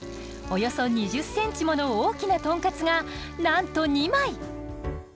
およそ２０ｃｍもの大きな豚かつがなんと２枚！